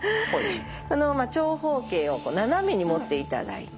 このまま長方形を斜めに持っていただいて。